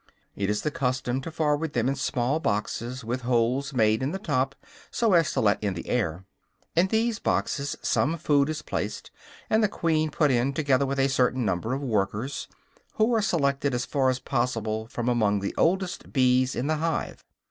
It is the custom to forward them in small boxes, with holes made in the top so as to let in the air. In these boxes, some food is placed, and the queen put in, together with a certain number of workers, who are selected as far as possible from among the oldest bees in the hive.